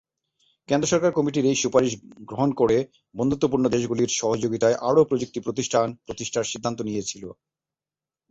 কেন্দ্র সরকার কমিটির এই সুপারিশ গ্রহণ ক'রে বন্ধুত্বপূর্ণ দেশগুলির সহযোগিতায় আরও প্রযুক্তি প্রতিষ্ঠান প্রতিষ্ঠার সিদ্ধান্ত নিয়েছিল।